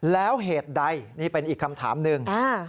แล้วเหตุใดนี่เป็นอีกคำถามหนึ่ง